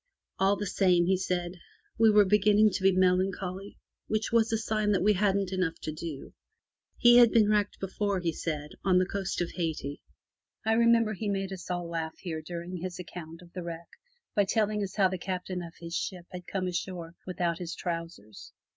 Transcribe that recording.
All the same, he said, we were beginning to be melancholy, which was a sign that we hadn't enough to do. He had been wrecked before, he said (on the coast of Hayti). I remember he made us all laugh here during his account of the wreck by telling us how the Captain of his ship had come ashore without his trousers.